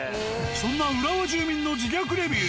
そんな浦和住民の自虐レビュー